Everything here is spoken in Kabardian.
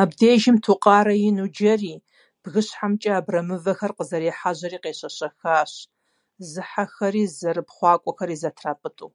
Абдежым Тукъарэ ину джэри, бгыщхьэмкӏэ абрэмывэхэр къызэрехьэжьэри къещэщэхащ, зыхьэхэри зэрыпхъуакӏуэхэри зэтрапӏытӏэу.